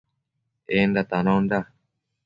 Enda tanonda